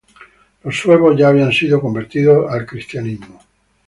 Los suevos ya habían sido convertidos al cristianismo.